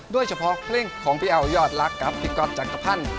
ด้วยเฉพาะเพลงของพี่เอ๋วยอดรักกับพี่ก๊อตจักรพันธ์